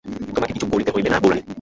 তোমাকে কিছু করতে হবে না, বউরানী।